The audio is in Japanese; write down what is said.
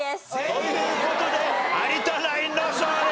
という事で有田ナインの勝利！